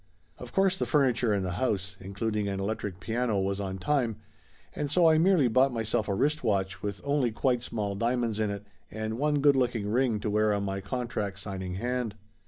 Of course the furniture in the house, including an electric piano, was on time, and so I merely bought myself a wrist watch with only quite small diamonds in it, and one good looking ring to wear on my contract signing hand.